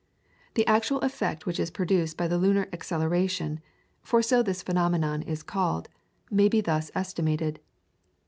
The actual effect which is produced by the lunar acceleration, for so this phenomenon is called, may be thus estimated.